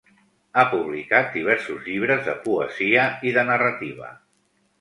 Ha publicat diversos llibres de poesia i de narrativa.